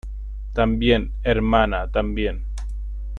también, hermana , también.